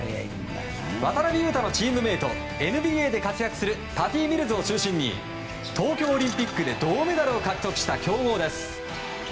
渡邊雄太のチームメートＮＢＡで活躍するパティ・ミルズを中心に東京オリンピックで銅メダルを獲得した強豪です。